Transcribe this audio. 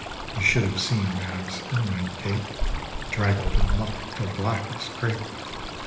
(You should have seen Mab's ermine cape, Draggled in muck till black as crape!)